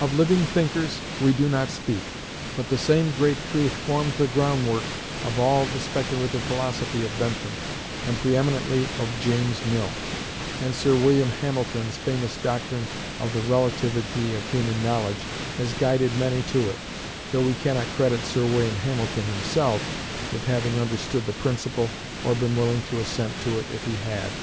Of living thinkers we do not speak; but the same great truth formed the groundwork of all the speculative philosophy of Bentham, and pre eminently of James Mill: and Sir William Hamilton's famous doctrine of the Relativity of human knowledge has guided many to it, though we cannot credit Sir William Hamilton himself with having understood the principle, or been willing to assent to it if he had.